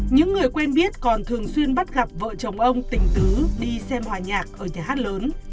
những người quen biết còn thường xuyên bắt gặp vợ chồng ông tình tứ đi xem hòa nhạc ở nhà hát lớn